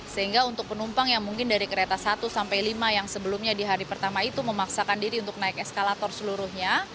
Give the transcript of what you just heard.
sehingga untuk penumpang yang mungkin dari kereta satu sampai lima yang sebelumnya di hari pertama itu memaksakan diri untuk naik eskalator seluruhnya